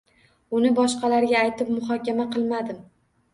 Uni boshqalarga aytib, muhokama qilmadim.